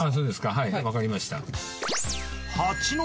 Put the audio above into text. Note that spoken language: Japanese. はいわかりました。